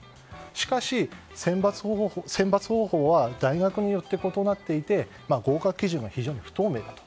しかし、選抜方法は大学によって異なっていて合格基準が非常に不透明だと。